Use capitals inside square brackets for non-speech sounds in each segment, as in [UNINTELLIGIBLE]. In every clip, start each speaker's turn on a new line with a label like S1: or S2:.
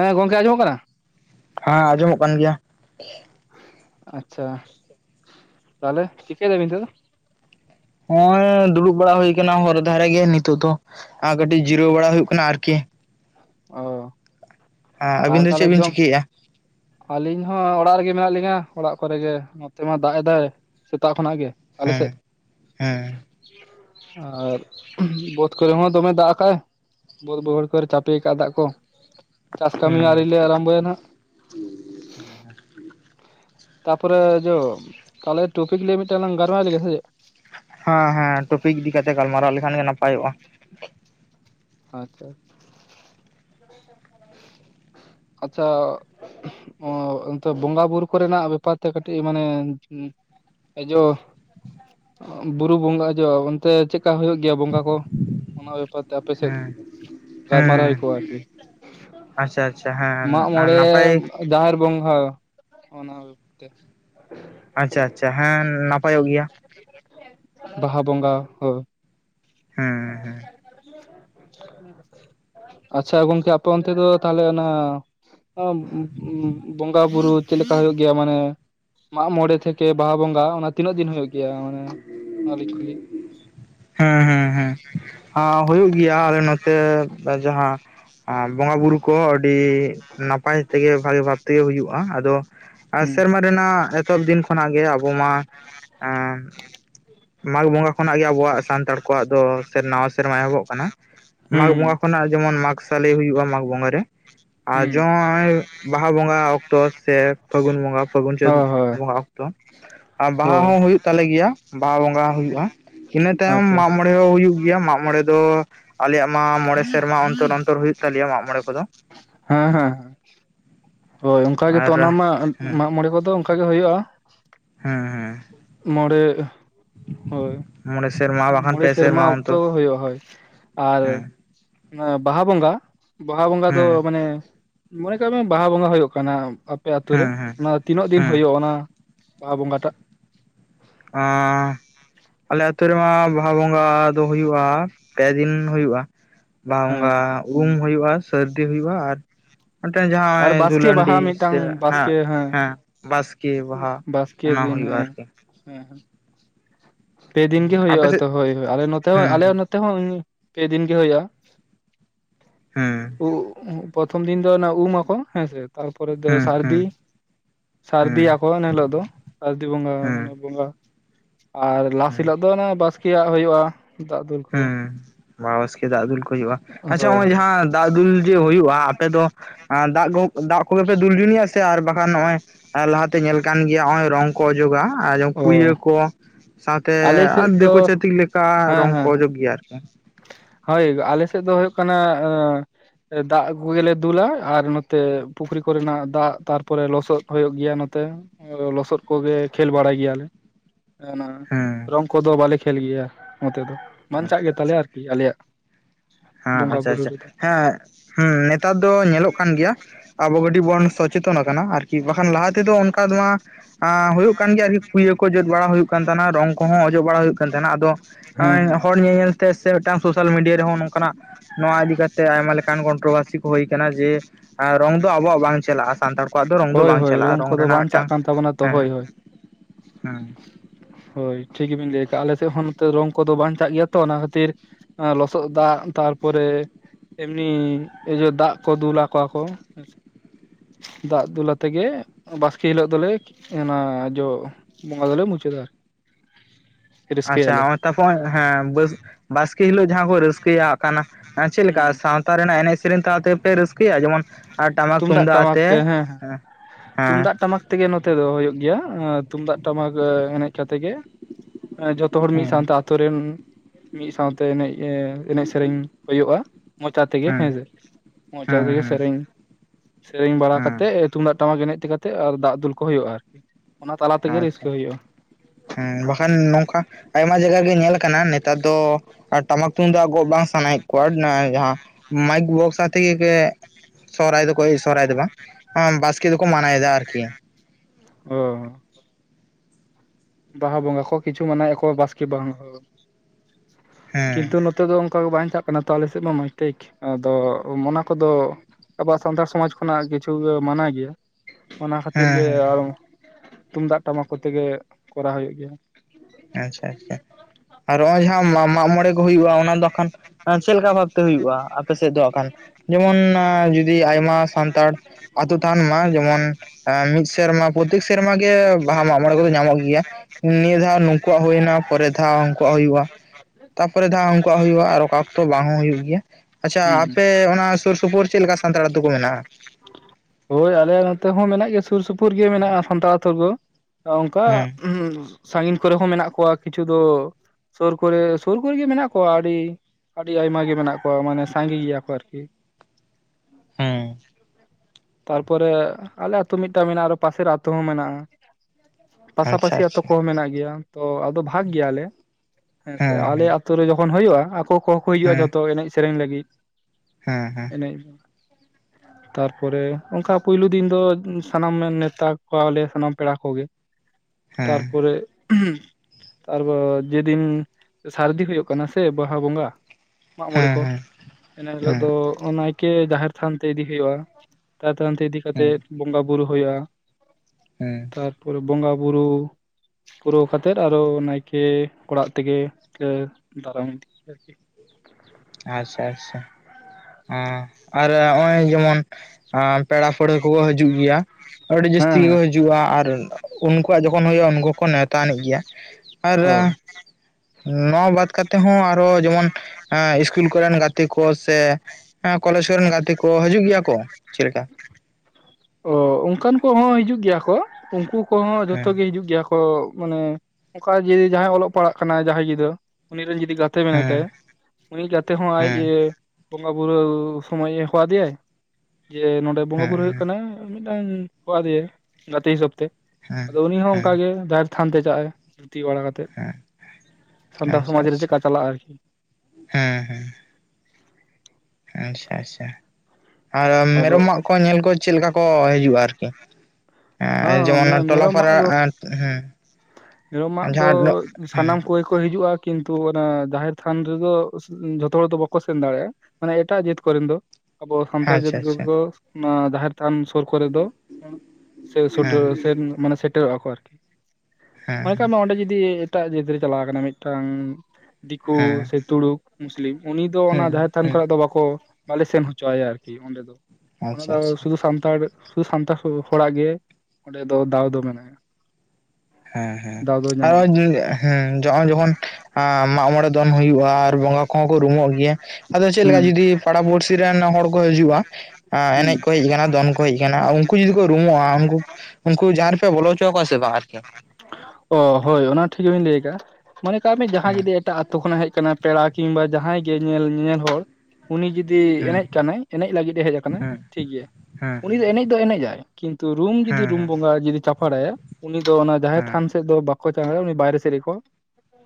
S1: ᱦᱮᱸ ᱜᱚᱝᱠᱮ ᱟᱸᱡᱚᱢᱚᱜ ᱠᱟᱱᱟ?
S2: ᱦᱮᱸ ᱟᱸᱡᱚᱢᱚᱜ ᱠᱟᱱ ᱜᱮᱭᱟ᱾
S1: ᱟᱪᱪᱷᱟ, ᱛᱟᱦᱞᱮ ᱪᱤᱠᱟᱹᱭ ᱫᱟᱵᱤᱱ ᱱᱤᱛᱚᱜ ᱫᱚ?
S2: ᱦᱚᱸᱜ-ᱚᱭ ᱫᱩᱲᱩᱵ ᱵᱟᱲᱟ ᱦᱩᱭ ᱠᱟᱱᱟ ᱦᱚᱨ ᱫᱷᱟᱨᱮ ᱜᱮ ᱱᱤᱛᱚᱜ ᱫᱚ, ᱟᱨ ᱠᱟᱹᱴᱤᱡ ᱡᱤᱨᱟᱹᱣ ᱵᱟᱲᱟ ᱦᱩᱭᱩᱜ ᱠᱟᱱᱟ ᱟᱨᱠᱤ᱾
S1: ᱚ᱾
S2: ᱟᱹᱵᱤᱱ
S1: ᱟᱨ
S2: ᱫᱚ
S1: ᱛᱟᱦᱞᱮ
S2: ᱪᱮᱫ ᱵᱤᱱ
S1: ᱡᱚᱢ
S2: ᱪᱤᱠᱟᱹᱭᱮᱫᱼᱟ
S1: ᱟᱹᱞᱤᱧ ᱦᱚᱸ ᱚᱲᱟᱜ ᱨᱮᱜᱮ ᱢᱮᱱᱟᱜ ᱞᱤᱧᱟᱹ ᱚᱲᱟᱜ ᱠᱚᱨᱮ ᱜᱮ ᱱᱚᱛᱮ ᱢᱟ ᱫᱟᱜ ᱮᱫᱟᱭ ᱥᱮᱛᱟᱜ ᱠᱷᱚᱱᱟᱜ ᱜᱮ᱾ ᱟᱞᱮ ᱥᱮᱫ᱾
S2: ᱦᱮᱸ ᱦᱮᱸ
S1: ᱟᱨ ᱵᱟᱫᱽ ᱠᱚᱨᱮ ᱦᱚᱸ ᱫᱚᱢᱮ ᱫᱟᱜ ᱠᱟᱜ-ᱟᱭ᱾ ᱵᱟᱹᱫᱽ ᱵᱟᱹᱦᱩᱟᱹᱲ ᱠᱚᱨᱮ ᱪᱟᱯᱮ ᱟᱠᱟᱜ ᱫᱟᱜ ᱠᱚ᱾ ᱪᱟᱥ ᱠᱟᱹᱢᱤ ᱟᱹᱣᱨᱤ
S2: ᱦᱮᱸ
S1: ᱞᱮ ᱟᱨᱟᱢᱵᱚᱭᱟ ᱱᱟᱦᱟᱜ᱾
S2: [UNINTELLIGIBLE]
S1: ᱛᱟᱯᱚᱨᱮ ᱡᱚ, ᱛᱟᱦᱞᱮ ᱴᱚᱯᱤᱠ ᱞᱤᱭᱮ ᱢᱤᱫᱴᱟᱝ ᱞᱟᱝ ᱜᱟᱨᱢᱟᱭ ᱞᱮᱜᱮ ᱥᱮ ᱪᱮᱫ?
S2: ᱦᱮᱸ ᱦᱮᱸ ᱴᱚᱯᱤᱠ ᱤᱫᱤ ᱠᱟᱛᱮ ᱜᱟᱞᱢᱟᱨᱟᱣ ᱞᱮᱠᱷᱟᱱ ᱜᱮ ᱱᱟᱯᱟᱭᱚᱜ-ᱟ᱾
S1: ᱟᱪᱪᱷᱟ, ᱟᱪᱪᱷᱟ ᱚ, ᱚᱱᱛᱮ ᱵᱚᱸᱜᱟ ᱵᱩᱨᱩ ᱠᱚᱨᱮᱱᱟᱜ ᱵᱮᱯᱟᱨ ᱛᱮ ᱠᱟᱹᱴᱤᱡ ᱢᱟᱱᱮ ᱟ ᱡᱚ ᱵᱩᱨᱩ ᱵᱚᱸᱜᱟ ᱦᱤᱡᱩᱜ-ᱟ, ᱚᱱᱛᱮ ᱪᱮᱜᱠᱟ ᱦᱩᱭᱩᱜ ᱜᱮᱭᱟ ᱵᱚᱸᱜᱟ ᱠᱚ ᱚᱱᱟ ᱵᱮᱯᱟᱨ ᱚᱱᱛᱮ ᱟᱯᱮ ᱥᱮᱫ
S2: ᱦᱮᱸ
S1: ᱜᱟᱞᱢᱟᱨᱟᱣ ᱦᱩᱭ
S2: ᱦᱮᱸ
S1: ᱠᱚᱜ-ᱟ ᱟᱨᱠᱤ᱾
S2: ᱟᱪᱪᱷᱟ ᱟᱪᱪᱷᱟ ᱦᱮᱸ
S1: ᱢᱟᱜ
S2: ᱟᱨ
S1: ᱢᱚᱬᱮ
S2: ᱱᱟᱯᱟᱭ
S1: ᱡᱟᱦᱮᱨ ᱵᱚᱸᱜᱟ ᱚᱱᱟ ᱚᱠᱛᱮ
S2: ᱟᱪᱪᱷᱟ ᱟᱪᱪᱷᱟ, ᱦᱮᱸ ᱱᱟᱯᱟᱭᱚᱜ ᱜᱮᱭᱟ᱾
S1: ᱵᱟᱦᱟ ᱵᱚᱸᱜᱟ ᱦᱳ
S2: ᱦᱩᱸ ᱦᱩᱸ᱾
S1: ᱟᱪᱪᱷᱟ ᱜᱚᱝᱠᱮ ᱟᱯᱮ ᱚᱱᱛᱮ ᱫᱚ ᱛᱟᱦᱞᱮ ᱚᱱᱟ ᱵᱚᱸᱜᱟ ᱵᱩᱨᱩ ᱪᱮᱫ ᱞᱮᱠᱟ ᱦᱩᱭᱩᱜ ᱜᱮᱭᱟ ᱢᱟᱱᱮ? ᱢᱟᱜ ᱢᱚᱬᱮ ᱛᱷᱮᱠᱮ ᱵᱟᱦᱟ ᱵᱚᱸᱜᱟ ᱚᱱᱟ ᱛᱤᱱᱟᱹᱜ ᱫᱤᱱ ᱦᱩᱭᱩᱜ ᱜᱮᱭᱟ ᱢᱟᱱᱮ ᱚᱱᱟᱞᱤᱧ ᱠᱷᱩᱞᱤ?
S2: ᱦᱩᱸ, ᱟᱸᱻ ᱦᱩᱭᱩᱜ ᱜᱮᱭᱟ ᱟᱞᱮ ᱱᱚᱛᱮ ᱡᱟᱦᱟᱸ ᱵᱚᱸᱜᱟ ᱵᱩᱨᱩ ᱠᱚ ᱟᱹᱰᱤ ᱱᱟᱯᱟᱭ ᱛᱮᱜᱮ ᱵᱷᱟᱜᱮ ᱵᱷᱟᱵᱽ ᱛᱮᱜᱮ ᱦᱩᱭᱩᱜ-ᱟ ᱟᱫᱚ᱾ ᱟᱨ
S1: ᱦᱩᱸ
S2: ᱥᱮᱨᱢᱟ ᱨᱮᱱᱟᱜ ᱮᱛᱚᱦᱚᱵ ᱫᱤᱱ ᱠᱷᱚᱱᱟᱜ ᱜᱮ ᱟᱵᱚ ᱢᱟ ᱢᱟᱜᱽ ᱵᱚᱸᱜᱟ ᱠᱷᱚᱱᱟᱜ ᱜᱮ ᱟᱵᱚᱣᱟᱜ ᱥᱟᱱᱛᱟᱲ ᱠᱚᱣᱟᱜ ᱫᱚ ᱥᱮᱨ ᱱᱟᱣᱟ ᱥᱮᱨᱢᱟ ᱮᱦᱚᱵᱚᱜ ᱠᱟᱱᱟ᱾ ᱢᱟᱜᱽ
S1: ᱦᱩᱸ
S2: ᱵᱚᱸᱜᱟ ᱠᱷᱚᱱᱟᱜ ᱡᱮᱢᱚᱱ ᱢᱟᱜᱽ ᱥᱟᱞᱮ ᱦᱩᱭᱩᱜ-ᱟ ᱢᱟᱜᱽ ᱵᱚᱸᱜᱟᱟᱨᱮ᱾ ᱟᱨ
S1: ᱦᱩᱸ
S2: ᱡᱮᱻ ᱦᱚᱸᱜ-ᱚᱭ ᱵᱟᱦᱟ ᱵᱚᱸᱜᱟ ᱚᱠᱛᱚ ᱥᱮ ᱯᱷᱟᱹᱜᱩᱱ ᱵᱚᱸᱜᱟ, ᱯᱷᱟᱹᱜᱩᱱ ᱪᱟᱹᱛ
S1: ᱦᱳᱭ ᱦᱳᱭ
S2: ᱵᱚᱸᱜᱟ ᱚᱠᱛᱚ᱾ ᱟᱨ ᱵᱟᱦᱟ
S1: ᱦᱳᱭ
S2: ᱦᱚᱸ ᱦᱩᱭᱩᱜ ᱛᱟᱞᱮ ᱜᱮᱭᱟ ᱵᱟᱦᱟ ᱵᱚᱸᱜᱟ ᱦᱩᱭᱩᱜ-ᱟ, ᱤᱱᱟᱹ ᱛᱟᱭᱚᱢ
S1: ᱟᱪᱪᱷᱟ
S2: ᱢᱟᱜ ᱢᱚᱬᱮ ᱦᱩᱭᱩᱜ ᱜᱮᱭᱟ, ᱢᱟᱜ ᱢᱚᱬᱮ ᱫᱚ ᱟᱞᱮᱭᱟᱜ ᱢᱟ ᱢᱚᱬᱮ ᱥᱮᱨᱢᱟ ᱚᱱᱛᱚᱨ ᱚᱱᱛᱚᱨ ᱦᱩᱭᱩᱜ ᱛᱟᱞᱮᱭᱟ ᱢᱟᱜ ᱢᱚᱬᱮ ᱠᱚᱫᱚ᱾
S1: ᱦᱮᱸ ᱦᱮᱸ᱾ ᱦᱳᱭ, ᱚᱱᱠᱟ ᱜᱮᱛᱚ
S2: ᱟᱨ
S1: ᱚᱱᱟ ᱢᱟ
S2: ᱦᱮᱸ
S1: ᱢᱟᱜᱽᱢᱚᱬᱮ ᱠᱚᱫᱚ ᱚᱱᱠᱟ ᱜᱮ ᱦᱳᱭᱳᱜ-ᱟ᱾
S2: ᱦᱮᱸ ᱦᱮᱸ
S1: ᱢᱚᱬᱮ, ᱦᱳᱭ᱾
S2: ᱢᱚᱬᱮ ᱥᱮᱨᱢᱟ᱾ ᱵᱟᱠᱷᱟᱱ
S1: ᱢᱚᱬᱮ
S2: ᱯᱮ
S1: ᱥᱮᱨᱢᱟ ᱚᱠᱛᱚ
S2: ᱚᱱᱛᱚᱨ
S1: ᱦᱳᱭᱳᱜ-ᱟ, ᱦᱳᱭ ᱟᱨ
S2: ᱦᱮᱸ
S1: ᱚᱱᱟ ᱵᱟᱦᱟ ᱵᱚᱸᱜᱟ, ᱵᱟᱦᱟ ᱵᱚᱸᱜᱟ ᱫᱚ
S2: ᱦᱮᱸ
S1: ᱢᱟᱱᱮ ᱢᱚᱱᱮ ᱠᱟᱜ ᱢᱮ ᱵᱟᱦᱟ ᱵᱚᱸᱜᱟ ᱦᱳᱭᱳᱜ ᱠᱟᱱᱟ ᱟᱯᱮ ᱟᱛᱳ ᱨᱮ,
S2: ᱦᱮᱸ ᱦᱮᱸ
S1: ᱚᱱᱟ ᱫᱚ‍ ᱛᱤᱱᱳᱜ ᱫᱤᱱ
S2: ᱦᱮᱸ
S1: ᱦᱳᱭᱳᱜ-ᱟ, ᱚᱱᱟ ᱵᱟᱦᱟ ᱵᱚᱸᱜᱟ ᱴᱟᱜ᱾
S2: ᱚᱻ᱾ ᱟᱞᱮ ᱟᱛᱳ ᱨᱮᱢᱟ ᱵᱟᱦᱟ ᱵᱚᱸᱜᱟ ᱫᱚ ᱦᱩᱭᱩᱜ-ᱟ, ᱯᱮ ᱫᱤᱱ ᱦᱩᱭᱩᱜ-ᱟ᱾ ᱵᱟᱦᱟ ᱵᱚᱸᱜᱟ
S1: ᱦᱮᱸ
S2: ᱩᱢ ᱦᱩᱭᱩᱜ-ᱟ, ᱥᱟᱹᱨᱫᱤ ᱦᱩᱭᱩᱜ-ᱟ ᱟᱨ ᱢᱤᱫᱴᱮᱱ
S1: ᱟᱨ
S2: ᱡᱟᱦᱟᱸᱭ
S1: ᱵᱟᱥᱠᱮ ᱵᱟᱦᱟ
S2: ᱫᱩᱞᱟᱹᱱᱰᱤ
S1: ᱢᱤᱫᱴᱟᱝ
S2: ᱥᱮ ᱦᱮᱸ
S1: ᱵᱟᱥᱠᱮ
S2: ᱦᱮᱸ ᱵᱟᱥᱠᱮ ᱵᱟᱦᱟ᱾
S1: ᱵᱟᱥᱠᱮ
S2: ᱚᱱᱟ
S1: ᱫᱤᱱ
S2: ᱦᱩᱭᱩᱜ-ᱟ
S1: ᱦᱮᱸ
S2: ᱟᱨᱠᱤ᱾
S1: ᱦᱮᱸ, ᱯᱮ ᱫᱤᱱ ᱜᱮ
S2: ᱟᱯᱮ
S1: ᱦᱳᱭᱳᱜ-ᱟ
S2: ᱥᱮᱫ
S1: ᱛᱚ ᱦᱳᱭ ᱟᱞᱮ ᱱᱚᱛᱮ ᱦᱚᱸ
S2: ᱦᱩᱸ
S1: ᱟᱞᱮ ᱛᱮ ᱦᱚᱸ ᱯᱮ ᱫᱤᱱ ᱜᱮ ᱦᱳᱭᱳᱜ-ᱟ᱾
S2: ᱦᱩᱸ
S1: ᱯᱨᱚᱛᱷᱚᱢ ᱫᱤᱱ ᱫᱚ ᱚᱱᱟ ᱩᱢᱟᱠᱚ ᱦᱮᱸ ᱥᱮ ᱛᱟᱨᱯᱚᱨ ᱫᱚ
S2: ᱦᱩᱸ ᱦᱩᱸ ᱦᱩᱸ
S1: ᱥᱟᱨᱫᱤ᱾
S2: ᱦᱩᱸ
S1: ᱥᱟᱹᱨᱫᱤᱭᱟᱠᱚ ᱮᱱ ᱦᱤᱞᱳᱜ ᱫᱚ ᱥᱟᱹᱨᱫᱤ ᱵᱚᱸᱜᱟ
S2: ᱦᱩᱸ
S1: ᱢᱟᱱᱮ ᱵᱚᱸᱜᱟ᱾ ᱟᱨ ᱞᱟᱥ
S2: ᱦᱩᱸ
S1: ᱦᱤᱞᱳᱜ ᱫᱚ ᱚᱱᱮ ᱵᱟᱥᱠᱮᱭᱟᱜ ᱦᱳᱭᱳᱜ-ᱟ ᱫᱟᱜ ᱫᱩᱞ ᱠᱚ᱾
S2: ᱵᱟᱦᱟ ᱵᱟᱥᱠᱮ ᱫᱟᱜ ᱫᱩᱞ ᱠᱚ ᱦᱩᱭᱩᱜ-ᱟ, ᱟᱪᱪᱷᱟ
S1: ᱦᱳᱭ
S2: ᱦᱚᱜ-ᱚᱭ
S1: ᱦᱳᱭ
S2: ᱡᱟᱦᱟᱸ ᱫᱟᱜ ᱫᱩᱞ ᱡᱮ ᱦᱩᱭᱩᱜ-ᱟ, ᱟᱯᱮ ᱫᱚ ᱫᱟᱜ ᱠᱚ ᱫᱟᱜ ᱠᱚᱜᱮᱯᱮ ᱫᱩᱞ ᱡᱩᱱᱤᱡ-ᱟ ᱥᱮ ᱟᱨᱠᱷᱟᱱ ᱱᱚᱜ-ᱚᱭ ᱞᱟᱦᱟᱛᱮ ᱧᱮᱞ ᱠᱟᱱ ᱜᱮᱭᱟ ᱱᱚᱜ-ᱚᱭ ᱨᱚᱝ ᱠᱚ ᱚᱡᱚᱜᱟ ᱟᱨ ᱡᱮᱢᱚᱱ
S1: ᱚ
S2: ᱠᱩᱭᱟᱹ ᱠᱚ᱾ ᱥᱟᱶᱛᱮ
S1: ᱟᱞᱮ
S2: ᱟᱨ
S1: ᱥᱮᱫ
S2: ᱫᱮᱠᱳ
S1: ᱫᱚ
S2: ᱪᱷᱟᱛᱤᱠ ᱞᱮᱠᱟ
S1: ᱦᱮᱸ
S2: ᱨᱚᱝ
S1: ᱦᱮᱸ
S2: ᱠᱚ ᱚᱡᱚᱜ ᱜᱮᱭᱟ ᱟᱨᱠᱤ᱾
S1: ᱦᱳᱭ ᱟᱞᱮ ᱥᱮᱫ ᱫᱚ ᱦᱳᱭᱳᱜ ᱠᱟᱱᱟ᱾ ᱫᱟᱜ ᱠᱚᱜᱮᱞᱮ ᱫᱩᱞᱟ ᱟᱨ ᱱᱚᱛᱮ ᱯᱩᱠᱷᱨᱤ ᱠᱚᱨᱮᱱᱟᱜ ᱫᱟᱜ ᱛᱟᱨᱯᱚᱨᱮ ᱞᱚᱥᱚᱫ ᱦᱳᱭᱳᱜ ᱜᱮᱭᱟ ᱱᱚᱛᱮ᱾ ᱟᱨ ᱞᱚᱥᱚᱫ ᱠᱚᱜᱮ ᱠᱷᱮᱞ ᱵᱟᱲᱟᱭ ᱜᱮᱭᱟᱞᱮ᱾ ᱟᱱᱟ
S2: ᱦᱮᱸ
S1: ᱨᱚᱝ ᱠᱚᱫᱚ ᱵᱟᱞᱮ ᱠᱷᱮᱞ ᱜᱮᱭᱟ ᱱᱚᱛᱮ ᱫᱚ ᱵᱟᱧᱪᱟᱜ ᱜᱮᱛᱟᱞᱮᱭᱟ ᱟᱨᱠᱤ ᱟᱞᱮᱭᱟᱜ᱾
S2: ᱦᱟ
S1: ᱵᱚᱸᱜᱟ
S2: ᱟᱪᱪᱷᱟ
S1: ᱵᱩᱨᱩ
S2: ᱟᱪᱪᱷᱟ
S1: ᱨᱮᱫᱚ
S2: ᱦᱮᱸ ᱦᱩ ᱱᱮᱛᱟᱨ ᱫᱚ ᱧᱮᱞᱚᱜ ᱠᱟᱱ ᱜᱮᱭᱟ᱾ ᱟᱵᱚ ᱠᱟᱹᱴᱤᱡ ᱵᱚᱱ ᱥᱚᱪᱮᱛᱚᱱ ᱟᱠᱟᱱᱟ ᱟᱨᱠᱤ ᱵᱟᱠᱷᱟᱱ ᱞᱟᱦᱟ ᱛᱮᱫᱚ ᱚᱱᱠᱟ ᱫᱚᱢᱟ᱾ ᱦᱟ ᱦᱳᱭᱳᱜ ᱠᱟᱱ ᱜᱮᱭᱟ ᱟᱨᱠᱤ ᱠᱩᱭᱟᱹ ᱠᱚ ᱡᱚᱫ ᱵᱟᱲᱟ ᱦᱩᱭᱩᱜ ᱠᱟᱱ ᱛᱟᱦᱮᱱᱟ, ᱨᱚᱝ ᱨᱚᱝ ᱠᱚᱦᱚᱸ ᱚᱡᱚᱜ ᱵᱟᱲᱟ ᱦᱩᱭᱩᱜ ᱠᱟᱱ ᱛᱟᱦᱮᱱᱟ, ᱟᱫᱚ
S1: ᱦᱮᱸ
S2: ᱦᱳᱭ
S1: ᱦᱮᱸ
S2: ᱦᱚᱲ ᱧᱮᱧᱮᱞ ᱛᱮ ᱥᱮ ᱢᱤᱫᱴᱟᱝ ᱥᱳᱥᱟᱞ ᱢᱤᱰᱤᱭᱟ ᱨᱮᱦᱚᱸ ᱱᱚᱝ ᱱᱚᱣᱟ ᱤᱫᱤ ᱠᱟᱛᱮᱜ ᱟᱭᱢᱟ ᱞᱮᱠᱟᱱ ᱠᱚᱱᱴᱨᱵᱷᱟᱨᱥᱤ ᱠᱚ ᱦᱩᱭ ᱠᱟᱱᱟ ᱡᱮ᱾ ᱟᱨ ᱨᱚᱝ ᱫᱚ ᱟᱵᱚᱣᱟᱜ ᱵᱟᱝ ᱪᱟᱞᱟᱜ-ᱟ᱾ ᱥᱟᱱᱛᱟᱲ ᱠᱚᱣᱟᱜ ᱫᱚ ᱨᱚᱝ ᱫᱚ
S1: ᱦᱳᱭ
S2: ᱵᱟᱝ
S1: ᱦᱳᱭ
S2: ᱪᱟᱞᱟᱜ-ᱟ, ᱨᱚᱝ
S1: ᱠᱚᱫᱚ
S2: ᱨᱮᱱᱟᱜ
S1: ᱵᱟᱧᱪᱟᱜ
S2: ᱢᱤᱫᱴᱟᱝ
S1: ᱠᱟᱱ ᱛᱟᱵᱚᱱᱟ ᱛᱚ
S2: ᱦᱮᱸ
S1: ᱦᱳᱭ ᱦᱳᱭ᱾
S2: ᱦᱮᱸ
S1: ᱦᱳᱭ ᱴᱷᱤᱠ ᱜᱮᱵᱤᱱ ᱞᱟᱹᱭ ᱟᱠᱟᱜ, ᱟᱞᱮ ᱥᱮᱫ ᱦᱚᱸ ᱱᱚᱛ ᱨᱚᱝ ᱠᱚᱫᱚ ᱵᱟᱝ ᱪᱟᱜ ᱜᱮᱭᱟ ᱛᱚ ᱚᱱᱟ ᱠᱷᱟᱹᱛᱤᱨ ᱞᱚᱥᱚᱫ ᱫᱟᱜ ᱛᱟᱨᱯᱚᱨᱮ ᱮᱢᱱᱤ ᱮᱡᱳ ᱫᱟᱜ ᱠᱚ ᱫᱩᱞᱟ ᱠᱚᱣᱟ ᱠᱚ᱾ ᱫᱟᱜ ᱫᱩᱞ ᱟᱛᱮᱜᱮ ᱵᱟᱥᱠᱮ ᱦᱤᱞᱳᱜ ᱫᱚᱞᱮ ᱮᱱᱟ ᱟᱡᱚ ᱵᱚᱸᱜᱟ ᱫᱚ ᱞᱮ ᱢᱩᱪᱟᱹᱫᱟ ᱟᱨ
S2: ᱟᱪᱪᱷᱟ ᱦᱚᱜ-ᱚᱭ ᱛᱟᱯᱚᱨ ᱦᱮᱸ ᱵᱟᱹᱥ ᱵᱟᱥᱠᱮ ᱦᱤᱞᱳᱜ ᱡᱟᱦᱟᱸ ᱵᱚ ᱨᱟᱹᱥᱠᱟᱹᱭᱟᱜ ᱠᱟᱱᱟ ᱪᱮᱫᱞᱮᱠᱟ
S1: ᱦᱩᱸ
S2: ᱥᱟᱶᱛᱟ ᱨᱮᱱᱟᱜ ᱮᱱᱮᱡ ᱥᱮᱨᱮᱧ ᱛᱟᱞᱟᱛᱮᱯᱮ ᱨᱟᱹᱥᱠᱟᱹᱭᱟ ᱡᱮᱢᱚᱱ ᱟᱨ ᱴᱟᱢᱟᱠ ᱛᱩᱢᱫᱟᱜ
S1: ᱴᱟᱢᱟᱠ
S2: ᱟᱛᱮ᱾
S1: ᱛᱮ
S2: ᱮ
S1: ᱦᱮᱸ ᱦᱮᱸ
S2: ᱦᱮᱸ᱾
S1: ᱛᱩᱢᱫᱟᱜ ᱴᱟᱢᱟᱠ ᱛᱮᱜᱮ ᱱᱚᱛᱮ ᱫᱚ ᱦᱩᱭᱩᱜ ᱜᱮᱭᱟ, ᱛᱩᱢᱫᱟᱜ ᱴᱟᱢᱟᱠ ᱮᱱᱮᱡ ᱠᱟᱛᱮ ᱜᱮ᱾ ᱡᱚᱛᱚ ᱦᱚᱲ ᱢᱤᱫ
S2: ᱦᱮᱸ
S1: ᱥᱟᱶᱛᱮ ᱟᱛᱳ ᱨᱮᱱ ᱢᱤᱫ ᱥᱟᱶᱛᱮ ᱮᱱᱮᱡ ᱮ ᱮᱱᱮᱡ ᱥᱮᱨᱮᱧ ᱦᱩᱭᱩᱜ-ᱟ, ᱢᱚᱪᱟ ᱛᱮᱜᱮ
S2: ᱦᱮᱸ
S1: ᱦᱮᱸᱥᱮ ᱢᱚᱪᱟ
S2: ᱦᱮᱸ
S1: ᱛᱮᱜᱮ
S2: ᱦᱮᱸ
S1: ᱥᱮᱨᱮᱧ᱾ ᱥᱮᱨᱮᱧ ᱵᱟᱲᱟ
S2: ᱦᱮᱸ
S1: ᱠᱟᱛᱮᱜ ᱛᱩᱢᱫᱟᱜ ᱴᱟᱢᱟᱠ ᱮᱱᱮᱡ ᱠᱟᱛᱮᱫ ᱫᱟᱜ ᱫᱩᱞ ᱠᱚ ᱦᱩᱭᱩᱜ-ᱟ, ᱟᱨ ᱚᱱᱟ ᱛᱟᱞᱟ ᱛᱮᱜᱮ ᱨᱟᱹᱥᱠᱟᱹ
S2: ᱟᱪᱪᱷᱟ
S1: ᱦᱩᱭᱩᱜᱼᱟ᱾
S2: ᱦᱮᱸ ᱵᱟᱠᱷᱟᱱ ᱱᱚᱝᱠᱟ ᱟᱭᱢᱟ ᱡᱟᱭᱜᱟ ᱜᱮ ᱧᱮᱞ ᱠᱟᱱᱟ ᱱᱮᱛᱟᱨ ᱫᱚ ᱟᱨ ᱴᱟᱢᱟᱠ ᱛᱩᱢᱫᱟᱜ ᱜᱚᱜ ᱵᱟᱝ ᱥᱟᱱᱟᱭᱮᱫ ᱠᱚᱣᱟ ᱚᱱᱟ ᱡᱟᱦᱟᱸ ᱢᱟᱭᱤᱠ ᱵᱚᱠᱥᱟ ᱛᱮᱜᱮ ᱜᱮ ᱥᱚᱦᱚᱨᱟᱭ ᱫᱚ ᱠᱚ ᱥᱚᱦᱚᱨᱟᱭ ᱫᱚ ᱵᱟᱝ ᱵᱟᱥᱠᱤ ᱫᱚᱠᱚ ᱢᱟᱱᱟᱭᱮᱫᱟ ᱟᱨᱠᱤ᱾
S1: ᱦᱚ ᱵᱟᱦᱟ ᱵᱚᱸᱜᱟ ᱠᱚ ᱠᱤᱪᱷᱩ ᱢᱟᱱᱟᱣ ᱮᱟᱠᱚ ᱵᱟᱥᱠᱤ ᱵᱟᱝ [UNINTELLIGIBLE] ᱠᱤᱱᱛᱩ
S2: ᱦᱮᱸ
S1: ᱱᱚᱛᱮ ᱫᱚ ᱚᱠᱟ ᱠᱚ ᱵᱟᱧ ᱛᱟᱦᱮᱸ ᱠᱟᱱᱟ ᱛᱚ ᱟᱞᱮ ᱥᱮᱫ ᱢᱟ ᱢᱟᱹᱭ ᱴᱷᱤᱠ ᱟᱫᱚ ᱚᱱᱟ ᱠᱚᱫᱚ ᱟᱵᱚᱣᱟᱜ ᱥᱟᱱᱛᱟᱲ ᱥᱚᱢᱟᱡᱽ ᱠᱷᱚᱱᱟᱜ ᱠᱤᱪᱷᱩ ᱜᱤ ᱢᱟᱱᱟ ᱜᱮᱭᱟ᱾ ᱚᱱᱟ ᱠᱷᱟᱹᱛᱤᱨ
S2: ᱦᱮᱸ
S1: ᱜᱮ
S2: ᱦᱮᱸ
S1: ᱟᱨ ᱛᱩᱢᱫᱟᱜ ᱴᱟᱢᱟᱠ ᱠᱚᱛᱮᱜᱮ, ᱠᱚᱨᱟᱣ ᱦᱩᱭᱩᱜ ᱜᱮᱭᱟ᱾
S2: ᱟᱪᱪᱷᱟ ᱟᱪᱪᱷᱟ, ᱟᱨ ᱱᱚᱜ-ᱚᱭ ᱡᱟᱦᱟᱸ ᱢᱟᱜ ᱢᱚᱬᱮ ᱠᱚ ᱦᱩᱭᱩᱜᱼᱟ ᱚᱱᱟ ᱫᱚ ᱪᱮᱫ ᱞᱮᱠᱟ ᱵᱷᱟᱵᱛᱮ ᱦᱩᱭᱩᱜᱼᱟ ᱟᱯᱮ ᱥᱮᱫ ᱫᱚ ᱠᱷᱟᱱ? ᱡᱮᱢᱚᱱ ᱡᱚᱫᱤ ᱟᱭᱢᱟ ᱥᱟᱱᱛᱟᱲ ᱟᱛᱳ ᱛᱷᱟᱱ ᱢᱟ ᱡᱮᱢᱚᱱ ᱢᱤᱫ ᱥᱮᱨᱢᱟ ᱯᱨᱚᱛᱮᱠ ᱥᱮᱨᱢᱟ ᱜᱮ ᱵᱟᱦᱟ ᱢᱟᱜ ᱢᱚᱬᱮ ᱠᱚᱫᱚ ᱧᱟᱢᱚᱜ ᱜᱮᱭᱟ ᱱᱤᱭᱟᱹ ᱫᱷᱟᱣ ᱱᱚ ᱠᱩ ᱣᱟᱜ ᱦᱩᱭᱱᱟ ᱯᱚᱨᱮ ᱫᱷᱟᱣ ᱦᱟᱹᱝᱠᱩᱣᱟᱜ ᱦᱩᱭᱩᱜᱼᱟ᱾ ᱛᱟᱯᱚᱨᱮ ᱫᱚ ᱷᱟᱜ ᱦᱟᱹᱝᱠᱩᱣᱟᱜ ᱦᱩᱭᱩᱜᱼᱟ ᱟᱨ ᱚᱠᱟ ᱚᱠᱛᱚ ᱵᱟᱝ ᱦᱚᱸ ᱦᱩᱭᱩᱜ ᱜᱮᱭᱟ᱾ ᱟᱪᱪᱷᱟ
S1: ᱦᱩᱸ ᱦᱩᱸ
S2: ᱟᱯᱮ ᱚᱱᱟ ᱥᱩᱨ ᱥᱩᱯᱩᱨ ᱪᱮᱫ ᱞᱮᱠᱟ ᱥᱟᱱᱛᱟᱲ ᱟᱹᱛᱩ ᱠᱚ ᱢᱮᱱᱟᱜᱼᱟ?
S1: ᱦᱳᱭ ᱟᱞᱮ ᱱᱚᱛᱮ ᱦᱚᱸ ᱢᱮᱱᱟᱜ ᱜᱮᱭᱟ ᱥᱩᱨ ᱥᱩᱯᱩᱨ ᱜᱮ ᱢᱮᱱᱟᱜᱼᱟ ᱥᱟᱱᱛᱟᱲ ᱟᱛᱳ ᱫᱚ᱾ ᱚᱱᱠᱟ
S2: ᱦᱮᱸ
S1: ᱥᱟᱺᱜᱤᱧ ᱠᱚᱨᱮ ᱦᱚᱸ ᱢᱮᱱᱟᱜ ᱠᱚᱣᱟ ᱠᱤᱪᱷᱩ ᱫᱚ, ᱥᱩᱨ ᱠᱚᱨᱮ ᱥᱩᱨ ᱠᱚᱨᱮ ᱜᱮ ᱢᱮᱱᱟᱜ ᱠᱚᱣᱟ ᱟᱹᱰᱤ ᱟᱹᱰᱤ ᱟᱭᱢᱟ ᱜᱮ ᱢᱮᱱᱟᱜ ᱠᱚᱣᱟ ᱢᱟᱱᱮ ᱥᱟᱺᱜᱮ ᱜᱤᱭᱟᱠᱚ ᱟᱨᱠᱤ᱾
S2: ᱦᱮᱸ
S1: ᱛᱟᱨᱯᱚᱨᱮ ᱟᱞᱮ ᱟᱛᱳ ᱢᱤᱫᱴᱟᱝ ᱢᱮᱱᱟᱜᱼᱟ ᱟᱨᱚ ᱯᱟᱥᱮᱨᱮ ᱟᱛᱳ ᱦᱚᱸ ᱢᱮᱱᱟᱜᱼᱟ᱾
S2: ᱟᱪᱪᱷᱟ
S1: ᱯᱟᱥᱟᱯᱟᱥᱤ ᱟᱛᱳ
S2: ᱟᱪᱪᱷᱟ
S1: ᱠᱚᱦᱚᱸ ᱢᱮᱱᱟᱜ ᱜᱮᱭᱟ ᱛᱚ ᱟᱫᱚ ᱵᱷᱟᱜ ᱜᱮᱭᱟᱞᱮ᱾ ᱦᱮᱸᱥᱮ
S2: ᱦᱮᱸ
S1: ᱟᱞᱮ
S2: ᱦᱮᱸ
S1: ᱟᱛᱳ ᱨᱮ ᱡᱚᱠᱷᱚᱱ ᱦᱩᱭᱩᱜᱼᱟ ᱟᱠᱚ ᱠᱚᱦᱚᱸ ᱠᱚ ᱦᱤᱡᱩᱜᱼᱟ
S2: ᱦᱮᱸ
S1: ᱡᱷᱚᱛᱚ ᱮᱱᱮᱡ ᱥᱮᱨᱮᱧ ᱞᱟᱹᱜᱤᱫ᱾
S2: ᱦᱮᱸ ᱦᱮᱸ
S1: [UNINTELLIGIBLE] ᱛᱟᱨᱯᱚᱨᱮ ᱚᱱᱠᱟ ᱯᱩᱭᱞᱩ ᱫᱤᱱ ᱫᱚ ᱥᱟᱱᱟᱢ ᱱᱮᱣᱛᱟ ᱠᱚᱣᱟᱞᱮ ᱥᱟᱱᱟᱢ ᱯᱮᱲᱟ ᱠᱚᱜᱮ᱾
S2: ᱦᱮᱸ
S1: ᱛᱟᱨᱯᱚᱨᱮ ᱛᱟᱨᱯᱚᱨ ᱡᱮᱫᱤᱱ ᱥᱟᱹᱨᱫᱤ ᱦᱩᱭᱩᱜ ᱠᱟᱱᱟ ᱥᱮ ᱵᱟᱦᱟ ᱵᱚᱸᱜᱟ, ᱢᱟᱜᱢᱚᱬᱮ ᱠᱚ᱾
S2: ᱦᱮᱸ
S1: ᱤᱱᱟᱹ ᱦᱤᱞᱳᱜ
S2: ᱦᱮᱸ
S1: ᱫᱚ ᱱᱟᱭᱠᱮ ᱡᱟᱦᱮᱨ ᱛᱷᱟᱱ ᱛᱮ ᱤᱫᱤ ᱦᱩᱭᱩᱜᱼᱟ᱾ ᱡᱟᱦᱮᱨ ᱛᱷᱟᱱ ᱛᱮ ᱤᱫᱤ
S2: ᱦᱮᱸ
S1: ᱠᱟᱛᱮᱜ, ᱵᱚᱸᱜᱟ ᱵᱩᱨᱩ ᱦᱩᱭᱩᱜᱼᱟ᱾
S2: ᱦᱮᱸ
S1: ᱛᱟᱨᱯᱚᱨᱮ ᱵᱚᱸᱜᱟ ᱵᱩᱨᱩ ᱯᱩᱨᱟᱹᱣ ᱠᱟᱛᱮᱫ ᱟᱨᱚ ᱱᱟᱭᱠᱮ ᱚᱲᱟᱜ ᱛᱮᱜᱮ [UNINTELLIGIBLE] ᱫᱟᱨᱟᱢ ᱤᱫᱤ ᱟᱨᱠᱤ᱾
S2: ᱟᱪᱪᱷᱟ ᱟᱪᱪᱷᱟ ᱟᱨ ᱱᱚᱜ-ᱚᱭ ᱡᱮᱢᱚᱱ ᱯᱮᱲᱟ ᱯᱟᱹᱲᱦᱟᱹ ᱠᱚᱠᱚ ᱦᱤᱡᱩᱜ ᱜᱮᱭᱟ᱾ ᱟᱹᱰᱤ
S1: ᱦᱮᱸ
S2: ᱡᱟᱹᱟᱥᱛᱤ ᱜᱮᱠᱚ
S1: ᱦᱮᱸ
S2: ᱦᱤᱡᱩᱜᱼᱟ ᱟᱨ ᱩᱱᱠᱩᱣᱟᱜ ᱡᱚᱠᱷᱚᱱ ᱦᱳᱭᱳᱜᱼᱟ ᱩᱱᱠᱩ ᱠᱚ ᱱᱮᱣ ᱛᱟᱱᱤᱡ ᱜᱮᱭᱟ ᱟᱨ
S1: ᱦᱳᱭ
S2: ᱱᱚᱣᱟ ᱵᱟᱫ ᱠᱟᱛᱮᱜ ᱦᱚᱸ ᱟᱨᱦᱚ ᱡᱮᱢᱚᱱ ᱤᱥᱠᱩᱞ ᱠᱚᱨᱮᱱ ᱜᱟᱛᱮ ᱠᱚ ᱥᱮ ᱠᱚᱞᱮᱡ ᱠᱟᱨᱮᱱ ᱜᱟᱛᱮ ᱠᱚ ᱦᱤᱡᱩᱜ ᱜᱮᱭᱟ ᱠᱚ, ᱪᱮᱫ ᱞᱮᱠᱟ?
S1: ᱚ ᱚᱱᱠᱟᱱ ᱠᱚᱦᱚᱸ ᱦᱤᱡᱩᱜ ᱜᱮᱭᱟ ᱠᱚ ᱩᱱᱠᱩ ᱠᱚᱦᱚᱸ ᱡᱷᱚᱛᱚ
S2: ᱦᱮᱸ
S1: ᱜᱮ ᱦᱤᱡᱩᱜ ᱜᱮᱭᱟ ᱠᱚ᱾ ᱠᱚ ᱢᱟᱱᱮ ᱚᱱᱠᱟ ᱡᱮ ᱡᱟᱦᱟᱭ ᱚᱞᱚᱜ ᱯᱟᱲᱦᱟᱜ ᱠᱟᱱᱟᱭ ᱡᱟᱦᱟᱸᱭ ᱜᱤᱫᱽᱟᱹ ᱩᱱᱤ ᱨᱮᱱ ᱡᱩᱫᱤ ᱜᱟᱛ -ᱛᱮ ᱢᱮᱱᱟᱭ ᱛᱟᱭᱟ
S2: ᱦᱮᱸ
S1: ᱩᱱᱤ ᱜᱟᱛᱮ ᱦᱚᱸ ᱟᱡ ᱮ
S2: ᱦᱮᱸ
S1: ᱵᱚᱸᱜᱟ ᱵᱩᱨᱩ ᱥᱚᱢᱚᱭᱮ ᱦᱚᱦᱚᱣᱟ ᱫᱮᱭᱟᱭ ᱡᱮ ᱱᱚᱰᱮ ᱵᱚᱸᱜᱟ ᱵᱩᱨᱩᱳ
S2: ᱦᱮᱸ
S1: ᱦᱩᱭᱩᱜ ᱠᱟᱱᱟ ᱢᱤᱫᱴᱟᱝ ᱦᱚᱦᱚ ᱟᱫᱤᱭᱮ ᱜᱟᱛᱮ ᱦᱤᱥᱟᱹᱵ ᱛᱮ᱾
S2: ᱦᱮᱸ
S1: ᱟᱫᱚ ᱩᱱᱤ ᱦᱚᱸ
S2: ᱦᱮᱸ
S1: ᱚᱱᱠᱟᱜᱮ ᱡᱟᱥᱴ ᱦᱟᱱᱛᱮ ᱪᱟᱜᱼᱟᱭ ᱛᱷᱩᱛᱤ ᱵᱟᱲᱟ ᱠᱟᱛᱮ᱾
S2: ᱦᱮᱸ ᱟᱪᱪᱷᱟ ᱟᱪᱪᱷᱟ
S1: ᱪᱮᱫᱠᱟ ᱪᱟᱞᱟᱜᱼᱟ ᱟᱨᱠᱤ
S2: ᱦᱮᱸ ᱦᱮᱸ᱾ ᱟᱪᱪᱷᱟ ᱟᱪᱪᱷᱟ [UNINTELLIGIBLE]
S1: ᱟᱫᱚ
S2: ᱢᱮᱨᱚᱢ ᱢᱟᱜ ᱠᱚ ᱧᱮᱞ ᱠᱚᱼᱼ ᱪᱮᱫ ᱞᱮᱠᱟ ᱠᱚ ᱦᱤᱡᱩᱜ-ᱟ ᱟᱨᱠᱤ
S1: ᱦᱮᱸ
S2: ᱡᱮᱢᱚᱱ ᱴᱚᱞᱟ ᱯᱟᱨᱟ
S1: ᱫᱚ
S2: ᱦᱮᱼᱼ
S1: ᱢᱮᱨᱚᱢ ᱢᱟᱜ ᱫᱚ
S2: ᱦᱮᱸ
S1: ᱥᱟᱱᱟᱢ ᱠᱚᱜᱮ ᱠᱚ ᱦᱤᱡᱩᱜᱼᱟ᱾ ᱠᱤᱱᱛᱩ ᱚᱱᱟ ᱡᱟᱦᱮᱨ ᱛᱷᱟᱱ ᱨᱮᱫᱚ ᱡᱷᱚᱛᱚ ᱦᱚᱲ ᱫᱚ ᱵᱟᱠᱚ ᱥᱮᱱ ᱫᱟᱲᱮᱭᱟᱜᱼᱟ ᱢᱟᱱᱮ ᱮᱴᱟᱜ ᱡᱟᱹᱛ ᱠᱚᱨᱮᱱ ᱫᱚ ᱾ ᱟᱵᱚ ᱥᱟᱱᱛᱟᱲ ᱡᱟᱹᱛ
S2: ᱟᱪᱪᱷᱟ ᱟᱪᱪᱷᱟ
S1: [UNINTELLIGIBLE] ᱚᱱᱟ ᱡᱟᱦᱮᱨ ᱛᱷᱟᱸᱱ ᱥᱩᱨ ᱠᱚᱨᱮ ᱫᱚ ᱥᱮ [UNINTELLIGIBLE]
S2: ᱦᱮᱸ
S1: ᱥᱮ ᱢᱟᱱᱮ ᱥᱮᱴᱮᱨᱚᱜ ᱟᱠᱚ ᱟᱨᱠᱤ᱾ ᱢᱚᱱᱮ
S2: ᱦᱮᱸ
S1: ᱠᱟᱜ ᱢᱮ ᱚᱸᱰᱮ ᱡᱩᱫᱤ ᱮᱴᱟᱜ ᱡᱟᱹᱛ ᱨᱮ ᱪᱟᱞᱟᱣ ᱟᱠᱟᱱᱟᱭ ᱢᱤᱫᱴᱟᱝ ᱫᱤᱠᱩ
S2: ᱦᱮᱸ
S1: ᱥᱮ ᱛᱩᱲᱩᱠ᱾ ᱢᱩᱥᱞᱤᱢ ᱩᱱᱤ ᱫᱚ ᱚᱱᱟ ᱡᱟᱦᱮᱨ
S2: ᱦᱮᱸ
S1: ᱛᱷᱟᱸᱱ
S2: ᱦᱮᱸ
S1: ᱠᱚᱣᱟᱜ ᱫᱚ ᱵᱟᱠᱚ ᱵᱟᱞᱮ ᱥᱮᱱ ᱦᱚᱪᱚ ᱟᱭᱟ ᱟᱨᱠᱤ ᱚᱸᱰᱮ ᱫᱚ᱾ ᱚᱱᱟ
S2: ᱟᱪᱪᱷᱟ
S1: ᱫᱚ
S2: ᱟᱪᱪᱷᱟ
S1: ᱥᱩᱫᱷᱩ ᱥᱟᱱᱛᱟᱲ ᱥᱩᱫᱩ ᱥᱟᱱᱛᱟᱲ ᱦᱚᱲᱟᱜ ᱜᱮ ᱚᱸᱰᱮ ᱫᱚ ᱫᱟᱣ ᱫᱚ ᱢᱮᱱᱟᱜ-ᱟ᱾
S2: ᱦᱮᱸ
S1: ᱧᱟᱢᱟ
S2: ᱦᱮᱸ ᱟᱨ [UNINTELLIGIBLE] ᱡᱚᱠᱷᱚᱱ ᱢᱟᱜ ᱢᱚᱲᱮ ᱫᱚᱱ ᱦᱩᱭᱩᱜᱼᱟ ᱟᱨ ᱵᱚᱸᱜᱟ ᱠᱚᱼᱼ ᱠᱚᱦᱚᱸ ᱠᱚ ᱨᱩᱢᱩᱜ ᱜᱮᱭᱟ ᱟᱫᱚ ᱪᱮᱫ
S1: ᱦᱩᱸ
S2: ᱞᱮᱠᱟ ᱡᱚᱫᱤ ᱯᱟᱲᱟ ᱯᱩᱲᱥᱤ ᱨᱮᱱ ᱦᱚᱲ ᱠᱚ ᱦᱤᱡᱩᱜᱼᱟ᱾
S1: ᱦᱩᱸ
S2: ᱮᱱᱮᱡᱽ ᱠᱚ ᱦᱮᱡᱽ ᱟᱠᱟᱱᱟ ᱫᱚᱱ ᱠᱚ ᱦᱮᱡᱽ ᱟᱠᱟᱱᱟ ᱩᱱᱠᱩ ᱡᱩᱫᱤ ᱠᱚ ᱨᱩᱢᱩᱜᱼᱟ ᱩᱱᱠᱩ ᱩᱱᱠᱩ ᱡᱟᱦᱮᱨ ᱨᱮᱯᱮ ᱵᱚᱞᱚ ᱦᱚᱪᱚ ᱟᱠᱚᱣᱟ ᱥᱮ ᱵᱟᱝ? ᱟᱨᱠᱤ
S1: ᱚ ᱦᱳᱭ ᱚᱱᱟ ᱴᱷᱤᱠ ᱜᱮᱵᱮᱱ ᱞᱟᱹᱭ ᱫᱟ ᱢᱚᱱᱮ ᱠᱟᱜ ᱢᱮ ᱡᱟᱦᱟᱸᱭ
S2: ᱦᱮᱸ
S1: ᱡᱩᱫᱤ ᱮᱴᱟᱜ ᱟᱛᱳ ᱠᱷᱚᱱᱟᱜ-ᱮ ᱦᱮᱡ ᱠᱟᱱᱟ᱾ ᱛᱚ ᱟᱨ ᱠᱤᱝᱵᱟ ᱡᱟᱦᱟᱸᱭ ᱜᱮ ᱧᱮᱞ ᱧᱮᱧᱮᱞ ᱦᱚᱲ ᱩᱱᱤ ᱡᱩᱫᱤ ᱡᱩᱫᱤ
S2: ᱦᱮᱸ
S1: ᱮᱸᱱᱮᱡᱽ ᱠᱟᱱᱟᱭ ᱮᱸᱱᱮᱡᱽ ᱞᱟᱹᱜᱤᱫ ᱮ ᱦᱮᱡ ᱟᱠᱟᱱᱟ
S2: ᱦᱮᱸ
S1: ᱴᱷᱤᱠ ᱜᱮᱭᱟ
S2: ᱦᱮᱸ ᱦᱮᱸ
S1: ᱩᱱᱤ ᱫᱚ ᱮᱸᱱᱮᱡᱽ ᱫᱚᱭ ᱮᱸᱱᱮᱡᱟᱭ᱾ ᱠᱤᱱᱛᱩ ᱨᱩᱢ ᱡᱩᱫᱤ ᱨᱩᱢ
S2: ᱦᱮᱸ
S1: ᱵᱚᱸᱜᱟ ᱡᱩᱫᱤ ᱪᱟᱯᱟᱲᱟᱭᱟ ᱩᱱᱤ ᱫᱚ ᱚᱱᱟᱼᱼ
S2: ᱦᱮᱸ
S1: ᱛᱷᱟᱱ ᱥᱮᱫ ᱫᱚ ᱵᱟᱠᱚ ᱪᱟᱞᱟᱣ ᱩᱱᱤ ᱫᱚ ᱵᱟᱭᱨᱮ ᱥᱮᱫ ᱨᱮᱠᱚᱼᱼ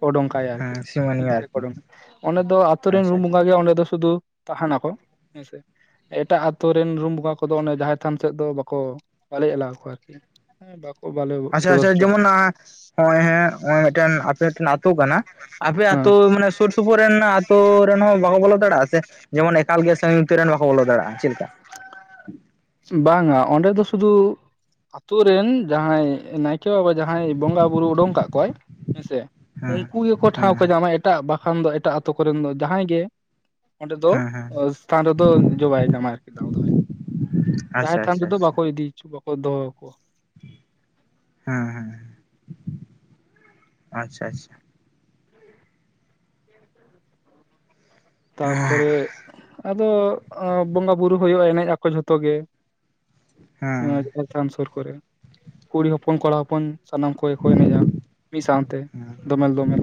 S1: ᱚᱰᱚᱝ ᱠᱟᱭᱟ ᱟᱨᱠᱤ
S2: ᱦᱮᱸ
S1: ᱢᱤᱫ
S2: ᱥᱤᱢᱟᱹᱱᱤᱭᱟᱹ
S1: ᱫᱷᱟᱨᱮ ᱠᱚ
S2: ᱟᱨᱠᱤ
S1: ᱚᱰᱚᱝ ᱚᱸᱰᱮ ᱫᱚ ᱟᱛᱩ ᱨᱮᱱ
S2: ᱟᱪᱪᱷᱟ
S1: ᱨᱩᱢ
S2: ᱟᱪᱪᱷᱟ
S1: ᱵᱚᱸᱜᱟ ᱜᱮ ᱚᱸᱰᱮ ᱫᱚ ᱥᱩᱫᱩᱼᱼ ᱛᱟᱸᱦᱮᱱᱟᱠᱚ ᱦᱮᱸᱥᱮ᱾ ᱮᱴᱟᱜ ᱟᱛᱳ ᱨᱮᱱ ᱨᱩᱢ ᱵᱚᱸᱜᱟ ᱠᱚᱫᱚ ᱚᱱᱟ ᱡᱟᱦᱮᱨ ᱛᱷᱟᱱ ᱥᱮᱫ ᱫᱚ ᱵᱟᱠᱚ ᱵᱟᱞᱮ ᱮᱞᱟᱣ ᱟᱠᱚᱣᱟ ᱟᱨᱠᱤ᱾ ᱦᱮᱸ ᱵᱟᱠᱚ ᱵᱟᱞᱮ [UNINTELLIGIBLE] ᱟ᱾
S2: ᱦᱮᱸ ᱦᱮᱸ ᱱᱚᱜ-ᱚᱭ ᱢᱤᱫᱴᱮᱱ ᱟᱯᱮ ᱢᱤᱫᱴᱮᱱ ᱟᱛᱳ ᱠᱟᱱᱟ᱾ ᱟᱯᱮ
S1: ᱦᱮᱸ
S2: ᱟᱹᱛᱩ ᱢᱟᱱᱮ ᱥᱩᱨ ᱥᱩᱯᱩᱨ ᱨᱮᱱ ᱟᱹᱛᱩ ᱨᱮᱱ ᱦᱚᱸ ᱵᱟᱠᱚ ᱵᱚᱞᱚ ᱫᱟᱲᱮᱭᱟᱜᱼᱟ ᱥᱮ? ᱡᱮᱢᱚᱱ ᱮᱠᱟᱞ ᱜᱮ ᱥᱟᱹᱜᱤᱧ ᱩᱛᱟᱹᱨ ᱨᱮᱱ ᱵᱟᱠᱚ ᱵᱚᱞᱚ ᱫᱟᱲᱮᱭᱟᱜᱼᱟ᱾ ᱪᱮᱫ ᱞᱮᱠᱟ?
S1: ᱵᱟᱝᱟ ᱚᱸᱰᱮ ᱫᱚ ᱥᱩᱫᱩ ᱟᱛᱳ ᱨᱮᱱ ᱡᱟᱦᱟᱸᱭ ᱱᱟᱭᱠᱮ ᱵᱟᱵᱟᱼᱼ ᱡᱟᱦᱟᱸᱭ ᱵᱚᱸᱜᱟ ᱵᱩᱨᱩ ᱚᱰᱚᱝ ᱠᱟᱜ ᱠᱚᱣᱟᱭ ᱦᱮᱸ ᱥᱮ
S2: ᱦᱮᱸ
S1: ᱩᱱᱠᱩ ᱜᱮᱠᱚ
S2: ᱦᱮᱸ
S1: ᱴᱷᱟᱶ ᱠᱚ
S2: ᱦᱮᱸ
S1: ᱧᱟᱢᱟ ᱮᱼᱼ ᱮᱴᱟᱜ ᱵᱟᱠᱷᱟᱱ ᱫᱚ ᱮᱴᱟᱜ ᱟᱛᱳ ᱠᱚᱨᱮᱱ ᱫᱚ ᱡᱟᱦᱟᱸᱭ ᱜᱮᱼᱼ ᱚᱸᱰᱮ ᱫᱚ
S2: ᱦᱮᱸ ᱦᱮᱸ
S1: ᱥᱛᱷᱟᱱ ᱨᱮᱫᱚ ᱤᱭᱟᱹ ᱵᱟᱭ ᱧᱟᱢᱟ ᱟᱨᱠᱤ ᱫᱟᱣ ᱫᱚ ᱵᱟᱭᱼᱼ ᱡᱟᱦᱮᱨ
S2: ᱟᱪᱪᱷᱟ
S1: ᱛᱷᱟᱱ
S2: ᱟᱪᱪᱷᱟ
S1: ᱡᱩᱫᱤ ᱵᱟᱠᱚ ᱤᱫᱤ ᱦᱚᱪᱚ ᱵᱟᱠᱚ ᱫᱚᱦᱚ ᱠᱚᱣᱟ᱾
S2: ᱦᱩᱸ ᱦᱩᱸ ᱟᱪᱪᱷᱟ ᱟᱪᱪᱷᱟ᱾ ᱦᱮᱸ
S1: ᱛᱟᱯᱚᱨᱮ ᱟᱫᱚ ᱵᱚᱸᱜᱟ ᱵᱩᱨᱩ ᱦᱩᱭᱩᱜᱼᱟ ᱮᱱᱮᱡ ᱟᱠᱚ ᱡᱷᱚᱛᱚ ᱜᱮ᱾ ᱦᱮᱸ ᱡᱟᱦᱮᱨ ᱛᱷᱟᱱ ᱥᱩᱨ ᱠᱚᱨᱮ ᱠᱩᱲᱤ ᱦᱚᱯᱚᱱ ᱠᱚᱲᱟ ᱦᱚᱯᱚᱱ᱾ ᱥᱟᱱᱟᱢ ᱠᱚᱜᱮ ᱠᱚ ᱮᱱᱮᱡᱼᱟ ᱢᱤᱫ ᱥᱟᱶᱛᱮ ᱫᱚᱢᱮᱞ ᱫᱚᱢᱮᱞ᱾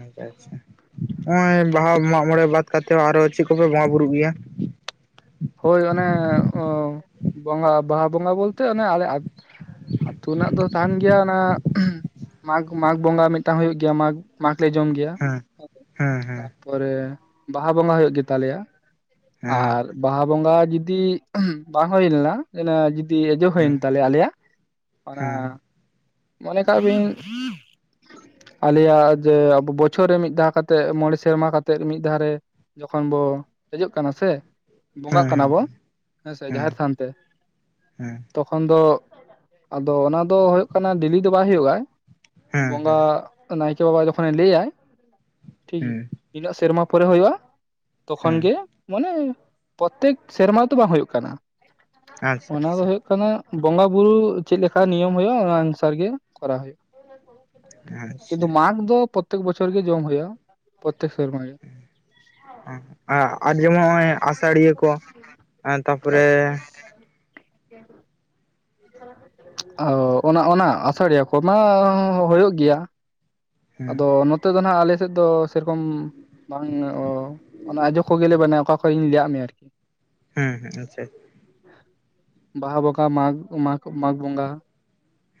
S2: ᱟᱪᱪᱷᱟ ᱟᱪᱪᱷᱟ᱾ ᱱᱚᱜ-ᱚᱭ ᱵᱟᱦᱟ ᱢᱟᱜ ᱢᱚᱬᱮ ᱵᱟᱫ ᱠᱟᱛᱮᱫ ᱟᱨᱚ ᱪᱮᱫ ᱠᱚᱯᱮ ᱵᱚᱸᱜᱟ ᱵᱩᱨᱩᱜ ᱜᱮᱭᱟ?
S1: ᱦᱳᱭ ᱚᱱᱮ ᱚ ᱵᱚᱸᱜᱟ ᱵᱟᱦᱟ ᱵᱚᱸᱜᱟ ᱵᱚᱞᱛᱮ ᱚᱱᱮ ᱟᱞᱮ ᱟᱛᱼᱼ ᱟᱹᱛᱩ ᱨᱮᱱᱟᱜ ᱫᱚ ᱛᱟᱸᱦᱮᱱ ᱜᱮᱭᱟ ᱚᱱᱟ ᱢᱟᱜᱽ ᱢᱟᱜᱽ ᱵᱚᱸᱜᱟ ᱢᱤᱫᱴᱟᱝ ᱦᱩᱭᱩᱜ ᱜᱮᱭᱟ ᱢᱟᱜᱽ᱾ ᱢᱟᱜᱽ ᱞᱮ ᱡᱚᱢ ᱜᱮᱭᱟ ᱦᱮᱸ ᱛᱟᱯᱚᱨᱮ ᱵᱟᱦᱟ ᱵᱚᱸᱜᱟ ᱦᱩᱭᱩᱜ ᱜᱮ ᱛᱟᱞᱮᱭᱟ᱾
S2: ᱦᱮᱸ
S1: ᱟᱨ ᱵᱟᱦᱟ ᱵᱚᱸᱜᱟ ᱡᱩᱫᱤ ᱵᱟᱝ ᱦᱩᱭ ᱞᱮᱱᱟ [UNINTELLIGIBLE]
S2: ᱦᱮᱸ
S1: ᱦᱩᱭᱮᱱ ᱛᱟᱞᱮᱭᱟ ᱟᱞᱮᱭᱟᱜ
S2: ᱦᱮᱸ
S1: ᱚᱱᱟ ᱢᱚᱱᱮ ᱠᱟᱜ ᱵᱤᱱ ᱟᱞᱮᱭᱟᱜ ᱡᱮ ᱟᱵᱚ ᱵᱪᱷᱚᱨ ᱨᱮ ᱢᱤᱫ ᱫᱷᱟᱣ ᱠᱟᱛᱮᱫ ᱢᱚᱬᱮ ᱥᱮᱨᱢᱟ ᱠᱟᱛᱮ ᱢᱤᱫ ᱫᱷᱟᱣ ᱨᱮ᱾ ᱡᱚᱠᱷᱚᱱ ᱵᱚ ᱠᱷᱚᱡᱚᱜ ᱠᱟᱱᱟ ᱥᱮᱼᱼ ᱵᱚᱸᱜᱟᱜ ᱠᱟᱱᱟ
S2: ᱦᱮᱸ
S1: ᱵᱚ
S2: ᱦᱮᱸ
S1: ᱦᱮᱸᱥᱮ
S2: ᱦᱮᱸ
S1: ᱡᱟᱦᱮᱨ ᱛᱷᱟᱱ ᱛᱮ᱾
S2: ᱦᱮᱸ
S1: ᱛᱚᱠᱷᱚᱱ ᱫᱚ ᱾ ᱟᱫᱚ ᱚᱱᱟ ᱫᱚ ᱦᱳᱭᱳᱜ ᱠᱟᱱᱟ ᱰᱮᱞᱤ ᱫᱚ ᱵᱟᱭ ᱦᱳᱭᱳᱜᱼᱟ
S2: ᱦᱮᱸ
S1: ᱵᱚᱸᱜᱟ
S2: ᱦᱮᱸ
S1: ᱱᱟᱭᱠᱮ ᱵᱟᱵᱟ ᱡᱚᱠᱷᱚᱱᱮ ᱞᱮᱟᱭ ᱴᱷᱤᱠᱜᱤ
S2: ᱦᱮᱸ
S1: ᱱᱤᱱᱟᱹᱜ ᱥᱮᱨᱢᱟ ᱯᱚᱨᱮ ᱦᱳᱭᱳᱜᱼᱟ᱾ ᱛᱚᱠᱷᱚᱱ
S2: ᱦᱮᱸ
S1: ᱜᱮ ᱢᱟᱱᱮ ᱯᱚᱨᱛᱮᱠ ᱥᱮᱨᱢᱟ ᱫᱚ ᱵᱟᱝ ᱦᱩᱭᱩᱜ ᱠᱟᱱᱟ᱾
S2: ᱟᱪᱪᱷᱟ
S1: ᱚᱱᱟ ᱫᱚ
S2: ᱟᱪᱪᱷᱟ
S1: ᱦᱩᱭᱩᱜ ᱠᱟᱱᱟ ᱵᱚᱸᱜᱟ ᱵᱩᱨᱩ ᱪᱮᱜ ᱞᱮᱠᱟ ᱱᱤᱭᱚᱢ ᱦᱳᱭᱳᱜᱼᱟ, ᱚᱱᱟ ᱟᱱᱥᱟᱨᱜᱮ ᱠᱚᱨᱟᱣ ᱦᱳᱭᱳᱜ᱾ [INAUDIBLE]
S2: ᱟᱪᱪᱷᱟ
S1: ᱠᱤᱸᱱᱛᱩ ᱢᱟᱜᱽ ᱫᱚ ᱯᱚᱨᱛᱮᱠ ᱵᱚᱪᱷᱚᱨ ᱜᱮ ᱡᱚᱢ ᱦᱳᱭᱟ ᱯᱚᱨᱛᱮᱠ ᱥᱮᱨᱢᱟ ᱜᱮ᱾ [INAUDIBLE]
S2: [INAUDIBLE] ᱟ ᱟᱰ ᱡᱮᱢᱚᱱ ᱚᱜᱼᱚᱭ ᱟᱥᱟᱲᱤᱭᱟᱹ ᱠᱚ ᱮᱱ ᱛᱟᱯᱚᱨᱮ
S1: [INAUDIBLE] ᱚᱱᱟ ᱚᱱᱟ ᱟᱥᱟᱲᱤᱭᱟᱹ ᱠᱚᱢᱟ ᱦᱳᱭᱳᱜ ᱜᱮᱭᱟ ᱾
S2: ᱦᱮᱸ
S1: ᱟᱫᱚ ᱱᱚᱛᱮ ᱫᱚ ᱱᱟᱦᱟᱸᱜ ᱟᱞᱮ ᱥᱮᱫ ᱫᱚ ᱥᱮᱨᱚᱠᱚᱢ ᱵᱟᱝ ᱚᱱᱟ ᱟᱡᱚᱜ ᱠᱚᱜᱮᱞᱮ ᱵᱮᱱᱟ ᱚᱠᱟ ᱠᱚᱹᱧ ᱞᱟᱹᱭᱟᱜ ᱢᱮᱭᱟ ᱟᱨᱠᱤ ᱾
S2: ᱦᱩᱸ ᱦᱩᱸ [UNINTELLIGIBLE]
S1: [INAUDIBLE] ᱵᱟᱦᱟ ᱵᱚᱸᱜᱟ ᱢᱟᱜᱽ ᱢᱟᱜᱽ ᱢᱟᱜᱽ ᱵᱚᱸᱜᱟ ᱾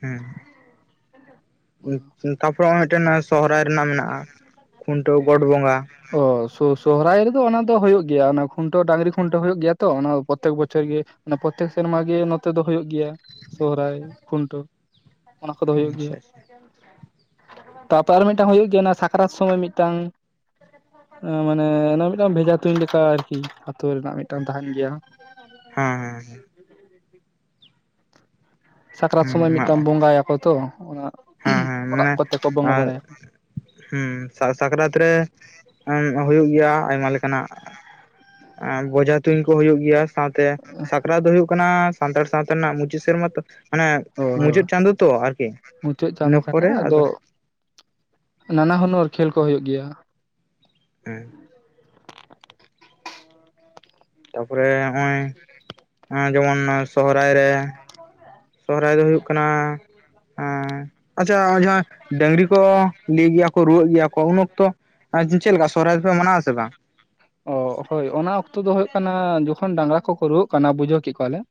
S2: ᱦᱩᱸ,
S1: ᱚᱱᱟ
S2: [INAUDIBLE] ᱛᱟᱯᱚᱨᱮ ᱚᱱᱮ ᱢᱤᱫᱴᱮᱱ ᱥᱚᱦᱚᱨᱟᱭ ᱨᱮᱱᱟᱜ ᱢᱮᱱᱟᱜᱼᱟ ᱠᱷᱩᱱᱴᱟᱹᱣ ᱜᱚᱸᱰ ᱵᱚᱸᱜᱟ ᱾
S1: ᱚ ᱥᱩ ᱥᱚᱦᱨᱟᱭ ᱨᱮᱫᱚ ᱚᱱᱟ ᱫᱚ ᱦᱳᱭᱳᱜ ᱜᱮᱭᱟ ᱚᱱᱟ ᱠᱷᱩᱱᱴᱟᱹᱣ ᱰᱟᱝᱨᱤ ᱠᱷᱩᱱᱴᱟᱹᱣ ᱦᱚᱭᱚᱜ ᱜᱮᱭᱟ ᱛᱚ ᱚᱱᱟ ᱯᱨᱚᱛᱮᱠ ᱵᱚᱪᱷᱚᱨ ᱜᱮ ᱾ ᱚᱱᱮ ᱯᱨᱚᱛᱮᱠ ᱥᱮᱨᱢᱟ‌ ᱜᱮ ᱱᱚᱛᱮ ᱫᱚ ᱾ ᱦᱩᱭᱩᱜ ᱜᱮᱭᱟ ᱥᱚᱦᱚᱨᱟᱭ ᱠᱷᱩᱱᱴᱟᱹᱣ ᱚᱱᱟ ᱠᱚᱫᱚ ᱦᱩᱭᱩᱜ ᱜᱮᱭᱟ
S2: ᱟᱪᱪᱷᱟ
S1: ᱾
S2: ᱟᱪᱪᱷᱟ
S1: ᱛᱟᱯᱚᱨᱮ ᱟᱨ ᱢᱤᱫᱴᱟᱝ ᱦᱩᱭᱩᱜ ᱜᱮᱭᱟ ᱚᱱᱟ ᱥᱟᱠᱨᱟᱛ ᱥᱚᱢᱚᱭ ᱢᱤᱫᱴᱟᱝ ᱾ [INAUDIBLE] ᱢᱟᱱᱮ ᱚᱱᱟ ᱢᱤᱫᱴᱟᱱ ᱵᱷᱮᱡᱟ ᱛᱩᱧ ᱞᱮᱠᱟ ᱟᱨᱠᱤ ᱟᱛᱳ‌ ᱨᱮᱱᱟᱜ ᱢᱤᱫᱴᱟᱱ ᱛᱟᱦᱮᱱ ᱜᱮᱭᱟ ᱾
S2: ᱦᱮᱸ ᱦᱮᱸ ᱦᱮᱸ ᱾
S1: ᱥᱟᱠᱨᱟᱛ
S2: ᱦᱮᱸ
S1: ᱥᱚᱢᱚᱭ
S2: ᱦᱮᱸ
S1: ᱢᱤᱫᱴᱟᱝ ᱵᱚᱸᱜᱟᱭᱟᱠᱚ ᱛᱚ ᱚᱱᱟ
S2: ᱦᱮᱸ ᱦᱮᱸ
S1: [UNINTELLIGIBLE] ᱚᱲᱟᱜ
S2: ᱢᱟᱱᱮ
S1: ᱠᱚᱛᱮ ᱠᱚ ᱵᱚᱸᱜᱟ ᱵᱟᱲᱟᱭᱟ ᱾
S2: ᱦᱮᱸ ᱥᱟᱠᱨᱟᱛ ᱨᱮ ᱦᱩᱭᱩᱜ
S1: [UNINTELLIGIBLE]
S2: ᱮᱸ ᱵᱚᱡᱷᱟ ᱛᱩᱧ ᱠᱚ ᱦᱩᱭᱩᱜ ᱜᱮᱭᱟ ᱾ ᱥᱟᱶᱛᱮ ᱥᱟᱠᱨᱟᱛ ᱫᱚ ᱦᱩᱭᱩᱜ ᱠᱟᱱᱟ ᱥᱟᱱᱛᱟᱲ ᱥᱟᱶᱛᱟ ᱨᱮᱱᱟᱜ ᱢᱩᱪᱟᱹᱫ ᱥᱮᱨᱢᱟ ᱛᱚ ᱾ ᱢᱟᱱᱮ ᱢᱩᱪᱟᱹᱫ ᱪᱟᱸᱫᱳ ᱛᱚ ᱟᱨᱠᱤ ᱾
S1: ᱪᱟᱹᱜ ᱪᱟᱸᱫᱚ ᱠᱟᱛᱷᱟ ᱟᱫᱚ ᱱᱟᱱᱟ ᱦᱩᱱᱟᱹᱨ ᱠᱷᱮᱞ ᱠᱚ ᱦᱩᱭᱩᱜ ᱜᱮᱭᱟ ᱾
S2: [INAUDIBLE] ᱛᱟᱯᱚᱨᱮ ᱚᱜᱼᱚᱭ ᱡᱮᱢᱚᱱ ᱥᱚᱦᱨᱟᱭ ᱨᱮ ᱥᱚᱦᱚᱨᱟᱭ ᱫᱚ ᱦᱩᱭᱩᱜ ᱠᱟᱱᱟ᱾ ᱦᱮᱸ ᱟᱪᱪᱷᱟ [UNINTELLIGIBLE] ᱰᱟᱹᱝᱨᱤ ᱠᱚ ᱞᱤᱭ ᱜᱮᱭᱟ ᱠᱚ ᱨᱩᱣᱟᱹᱜ ᱜᱮᱭᱟ ᱠᱚ ᱩᱱ ᱚᱠᱛᱚ [UNINTELLIGIBLE] ᱪᱮᱜ ᱞᱮᱠᱟ ᱥᱚᱨᱦᱟᱭ ᱫᱚᱯᱮ ᱢᱟᱱᱟᱣ ᱟᱥᱮ ᱵᱟᱝ?
S1: ᱚ ᱦᱳᱭ ᱚᱱᱟ ᱚᱠᱛᱚ ᱫᱚ ᱦᱩᱭᱩᱜ ᱠᱟᱱᱟ ᱡᱚᱠᱷᱚᱱ ᱰᱟᱝᱨᱟ ᱠᱚᱠᱚ ᱨᱩᱣᱟᱹᱜ ᱠᱟᱱᱟ ᱵᱩᱡᱷᱟᱹ ᱠᱤᱜ ᱠᱚᱣᱟᱞᱮ ᱾